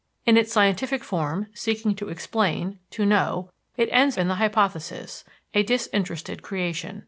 In its scientific form, seeking to explain, to know, it ends in the hypothesis, a disinterested creation.